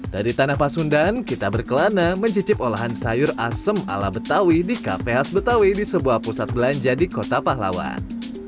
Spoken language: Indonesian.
dari tanah pasundan kita berkelana mencicip olahan sayur asem ala betawi di kafe khas betawi di sebuah pusat belanja di kota pahlawan